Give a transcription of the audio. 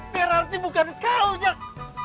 berarti bukan kau jak